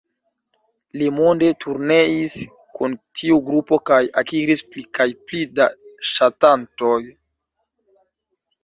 Li monde turneis kun tiu grupo kaj akiris pli kaj pli da ŝatantoj.